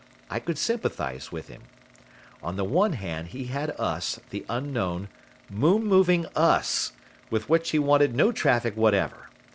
I could sympathize with him. On the one hand he had us, the unknown, moon moving Us, with which he wanted no traffic whatever.